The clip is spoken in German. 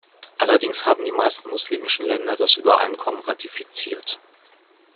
Allerdings haben die meisten muslimischen Länder das Übereinkommen ratifiziert.